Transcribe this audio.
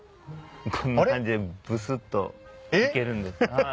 こんな感じでブスっと行けるんです。